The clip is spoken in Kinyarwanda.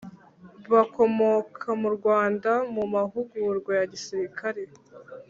bakomoka mu rwanda mu mahugurwa ya gisirikari